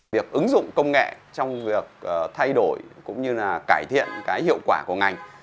việc ứng dụng công nghệ trong việc thay đổi cũng như là cải thiện cái hiệu quả của ngành